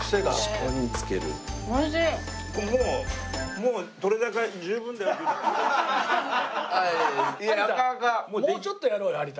もうちょっとやろうよ有田。